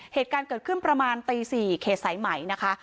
เหตุการณ์เกิดขึ้นประมาณตี๔เขตสายไหมนะคะ